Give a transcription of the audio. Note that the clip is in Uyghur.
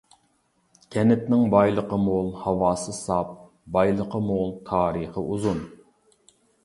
كەنتنىڭ بايلىقى مول، ھاۋاسى ساپ، بايلىقى مول، تارىخى ئۇزۇن.